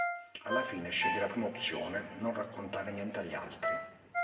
Alla fine, sceglie la prima opzione, non raccontare niente agli altri.